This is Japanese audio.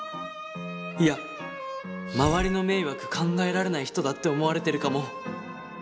いや周りの迷惑考えられない人だって思われてるかも。